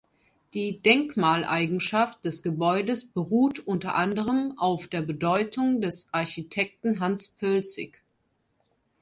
Die Denkmaleigenschaft des Gebäudes beruht unter anderem auf der Bedeutung des Architekten Hans Poelzig.